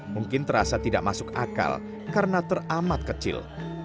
mungkin terasa tidak masuk akal karena teramat kecil